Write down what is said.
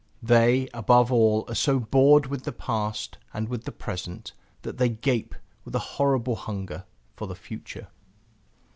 They, above all, are so bored with the past and with the present, that they gape, with a horrible hunger, for the future.